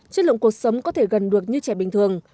chất lượng cuộc sống có thể gần được như trẻ bình thường